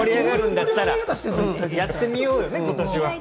やってみようよ、ことしは。